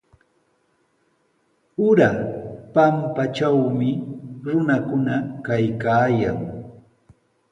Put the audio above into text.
Ura pampatrawmi runakuna kaykaayan.